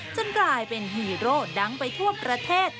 กลายเป็นฮีโร่ดังไปทั่วประเทศ